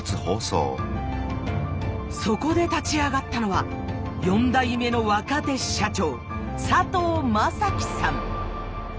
そこで立ち上がったのは４代目の若手社長